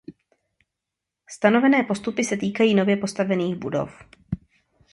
Stanovené postupy se týkají nově postavených budov.